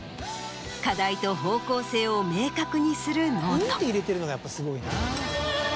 課題と方向性を明確にするノート。